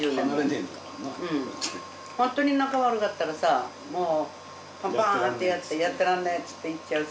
ホントに仲悪かったらさパンパーンってやってやってらんねえっつって行っちゃうし。